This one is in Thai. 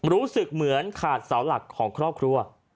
รู้สึกเหมือนขาดเสาหลักของครอบครัว